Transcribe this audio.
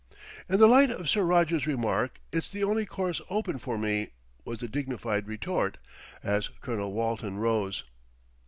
"In the light of Sir Roger's remark, it's the only course open for me," was the dignified retort, as Colonel Walton rose.